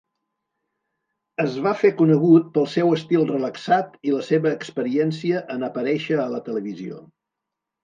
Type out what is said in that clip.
Es va fer conegut pel seu estil relaxat i la seva experiència en aparèixer a la televisió.